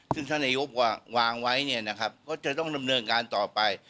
ซึ่งท่านนายกวางไว้เนี่ยนะครับก็จะต้องดำเนินการต่อไป